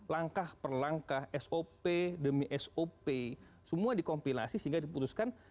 langkah per langkah sop demi sop semua dikompilasi sehingga diputuskan